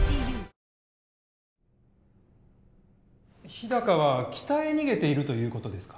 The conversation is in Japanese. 日高は北へ逃げているということですか？